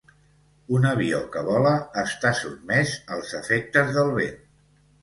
Un avió que vola està sotmès als efectes del vent.